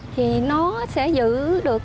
thì nó sẽ giữ được